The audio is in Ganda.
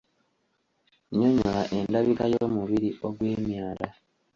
Nyonnyola endabika y’omubiri ogwe myala.